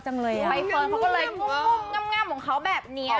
ไปเฟิร์นเค้าก็เลยงุ่มงามของเค้าแบบนี้นะคะ